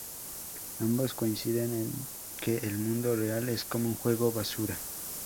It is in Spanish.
Ambos coinciden en que el mundo real es como un juego basura.